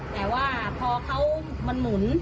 แต่ว่าพอเขามันหมุน